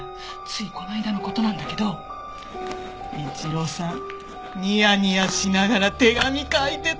ついこの間の事なんだけど一郎さんニヤニヤしながら手紙書いてたのよ。